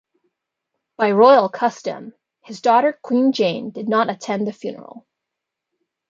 By royal custom, his daughter Queen Jane did not attend the funeral.